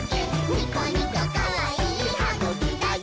ニコニコかわいいはぐきだよ！」